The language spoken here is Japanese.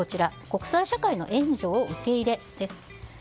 国際社会の援助を受け入れです。